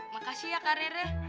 makasih ya kak rere